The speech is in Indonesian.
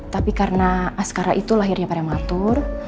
tapi karena askara itu lahirnya prematur